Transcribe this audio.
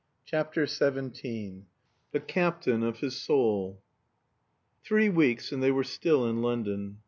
CHAPTER XVII THE CAPTAIN OF HIS SOUL Three weeks and they were still in London.